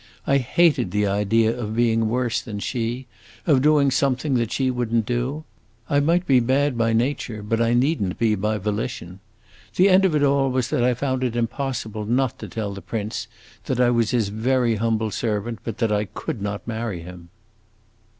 I hated the idea of being worse than she of doing something that she would n't do. I might be bad by nature, but I need n't be by volition. The end of it all was that I found it impossible not to tell the prince that I was his very humble servant, but that I could not marry him."